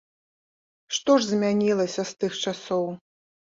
Што ж змянілася з тых часоў?